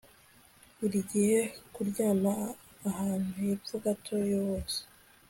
burigihe kuryama ahantu hepfo gato yubuso